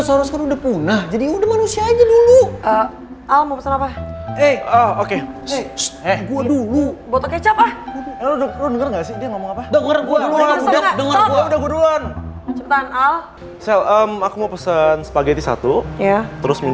yaudah jangan berantem